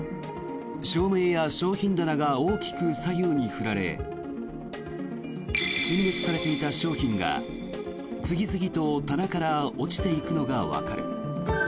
照明や商品棚が大きく左右に振られ陳列されていた商品が次々と棚から落ちていくのがわかる。